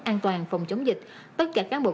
an toàn phòng chống dịch tất cả cán bộ